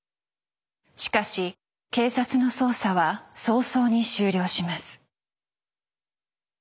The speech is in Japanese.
しかし警察の捜査は早々に終了します。